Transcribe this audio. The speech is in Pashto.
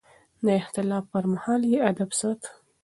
د اختلاف پر مهال يې ادب ساته.